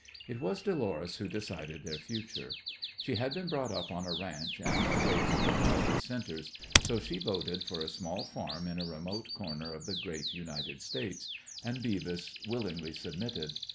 It was Dolores who decided their future. She had been brought up on a ranch and away from the crowded centres, so she voted for a small farm in a remote corner of the great United States, and Beavis willingly submitted.